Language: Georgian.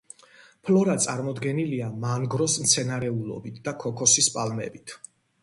ფლორა წარმოდგენილია მანგროს მცენარეულობით და ქოქოსის პალმებით.